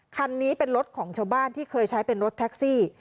คันนี้เป็นรถของชาวบ้านที่เคยใช้เป็นรถแท็กซี่